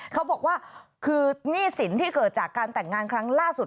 เขาบอกว่าคือหนี้สินที่เกิดจากการแต่งงานครั้งล่าสุด